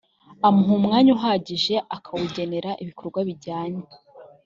amuha umwanya uhagije akawugenera ibikorwa bijyanye